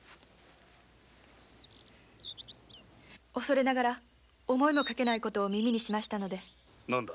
恐れながら思いもかけないことを耳にしましたので。